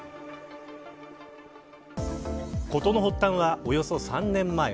事の発端はおよそ３年前。